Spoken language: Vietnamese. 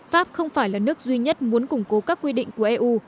pháp không phải là nước duy nhất muốn củng cố các quy định của eu